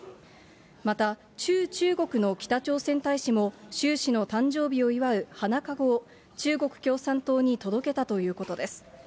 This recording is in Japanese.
また、駐中国の北朝鮮大使も、習氏の誕生日を祝う花かごを、中国共産党に届けたということです。